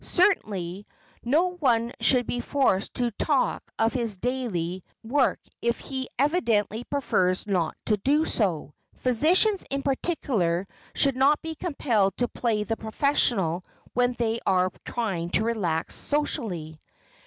Certainly, no one should be forced to talk of his daily work if he evidently prefers not to do so. Physicians in particular should not be compelled to play the professional when they are trying to relax socially.